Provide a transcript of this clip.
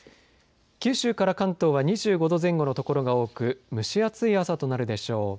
九州から関東は２５度前後の所が多く蒸し暑い朝となるでしょう。